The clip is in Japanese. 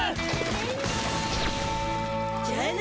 じゃあな！